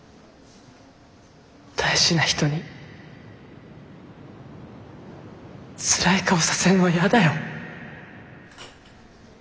大事な人につらい顔させんのはやだよ。